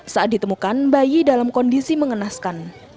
saat ditemukan bayi dalam kondisi mengenaskan